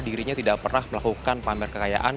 dirinya tidak pernah melakukan pamer kekayaan